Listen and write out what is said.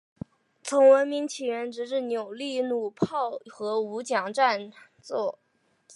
从文明起源直至扭力弩炮和五桨座战船。